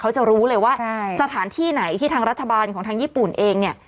เขาจะรู้เลยว่าสถานที่ไหนที่ทางรัฐบาลของทางญี่ปุ่นเองเนี่ย